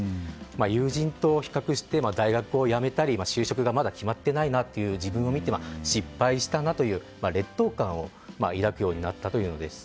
友人と比較して、大学を辞めたり就職がまだ決まっていない自分を見て失敗したなという劣等感を抱くようになったというのです。